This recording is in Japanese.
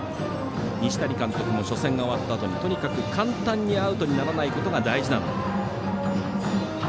西谷監督も初戦が終わったあとにとにかく簡単にアウトにならないことが大事なんだと。